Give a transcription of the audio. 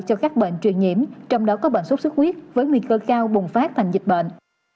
cho các bệnh truyền nhiễm trong đó có bệnh sốt xuất huyết với nguy cơ cao bùng phát thành dịch bệnh